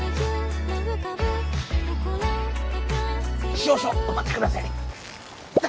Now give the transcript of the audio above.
少々お待ちください